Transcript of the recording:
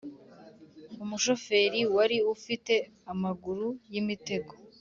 Umushoferi wari ufite amaguru y’imitego